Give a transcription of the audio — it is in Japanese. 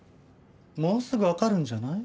もうすぐわかるんじゃない？